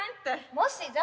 もしじょ